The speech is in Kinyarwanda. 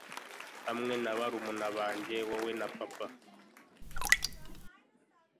hamwe na barumuna banjye, wowe na papa